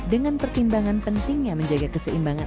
dengan pertimbangan pentingnya menjaga keseimbangan